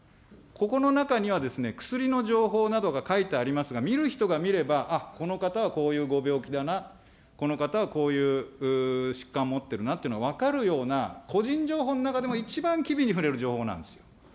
ここの中には、薬の情報などが書いてありますが、見る人が見れば、あっ、この方はこういうご病気だな、この方はこういう疾患持ってるなっていうのが分かるような、個人情報の中でも一番機微に触れる情報なんですよ。